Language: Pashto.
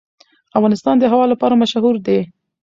افغانستان د هوا لپاره مشهور دی.